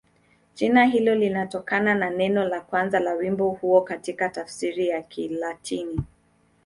Jina hilo linatokana na neno la kwanza la wimbo huo katika tafsiri ya Kilatini.